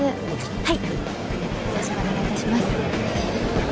はい。